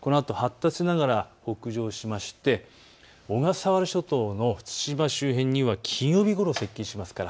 このあと発達しながら北上して小笠原諸島の父島周辺には金曜日ごろ接近します。